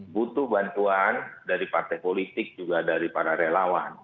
butuh bantuan dari partai politik juga dari para relawan